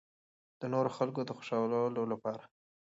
د نورو خلکو د خوشالو د پاره